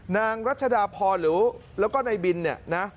นางรัชดาพรและนายบิน